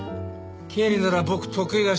経理なら僕得意だし。